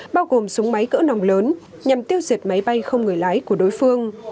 bao gồm súng máy cỡ nòng lớn nhằm tiêu diệt máy bay không người lái của đối phương